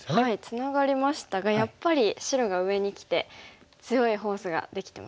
ツナがりましたがやっぱり白が上にきて強いフォースができてますよね。